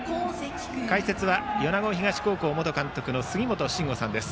解説は米子東高校元監督の杉本真吾さんです。